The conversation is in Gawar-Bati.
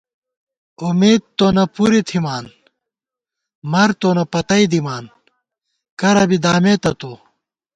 امېدتونہ پُرےتھِمان، مرتونہ پتئ دِمان، کرہ بی دامیتہ تو